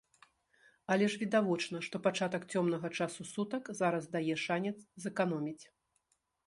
Але ж відавочна, што пачатак цёмнага часу сутак зараз дае шанец зэканоміць.